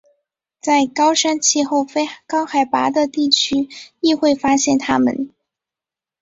在高山气候非高海拔的地区亦会发现它们。